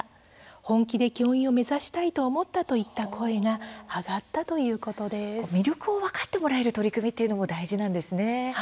本気で教員を目指したいと思ったといった声が魅力を分かってもらう取り組みも大事なんですね。